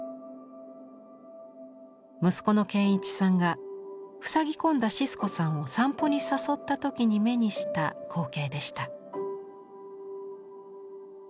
息子の賢一さんがふさぎ込んだシスコさんを散歩に誘った時に目にした光景でした。